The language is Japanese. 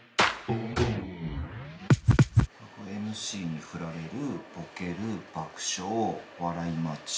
ＭＣに振られるボケる爆笑笑い待ち。